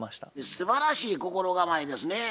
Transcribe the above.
すばらしい心構えですねぇ。